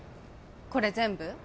これ全部？